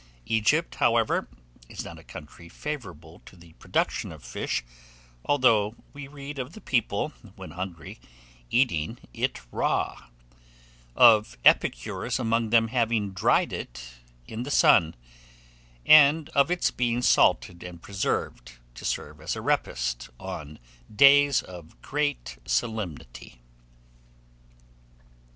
Egypt, however, is not a country favourable to the production of fish, although we read of the people, when hungry, eating it raw; of epicures among them having dried it in the sun; and of its being salted and preserved, to serve as a repast on days of great solemnity.